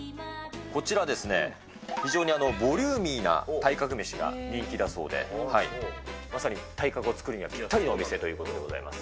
こちらですね、非常にボリューミーな体格メシが人気だそうで、まさに体格を作るにはぴったりのお店ということでございます。